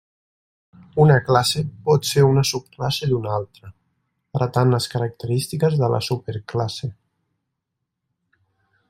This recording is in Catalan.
Una classe pot ser una subclasse d'una altra, heretant les característiques de la superclasse.